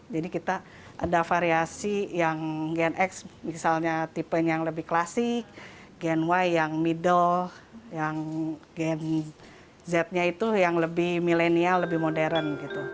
jadi kita ada variasi yang gen x misalnya tipen yang lebih klasik gen y yang middle yang gen z nya itu yang lebih millennial lebih modern